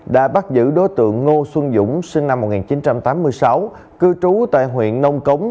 đã bắt giữ đối tượng ngô xuân dũng sinh năm một nghìn chín trăm tám mươi sáu cư trú tại huyện nông cống